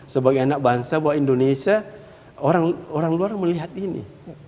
sebagai anak bangsa bahwa indonesia orang luar melihat ini